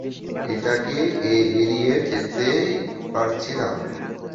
এটাকে এড়িয়ে যেতেই পারছি না।